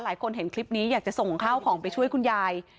หลายคนเห็นคลิปนี้อยากจะส่งข้าวของไปช่วยคุณยาย